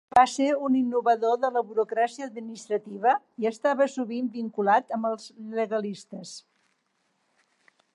Va ser un innovador de la burocràcia administrativa i estava sovint vinculat amb els Legalistes.